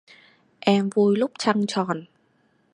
Em vui lúc trăng tròn